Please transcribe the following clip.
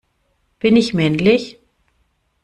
Bin ich männlich?